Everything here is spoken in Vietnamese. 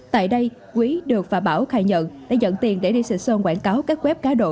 tại đây quý được và bảo khai nhận đã dẫn tiền để đi xịt sơn quảng cáo các quép cả độ